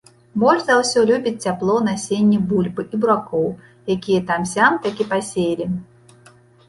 Больш за ўсё любіць цяпло насенне бульбы і буракоў, якія там-сям такі пасеялі.